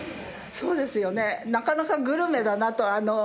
そうですよねなかなかグルメだなと。